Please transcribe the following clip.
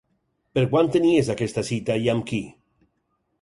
Per quan tenies aquesta cita i amb qui?